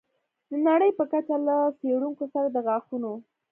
د نړۍ په کچه له څېړونکو سره د غاښونو